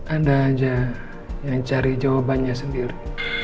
anda aja yang cari jawabannya sendiri